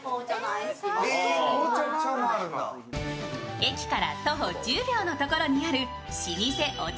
駅から徒歩１０秒のところにある老舗お茶